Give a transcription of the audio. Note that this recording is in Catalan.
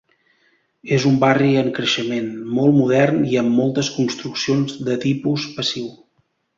És un barri en creixement, molt modern i amb moltes construccions de tipus passiu.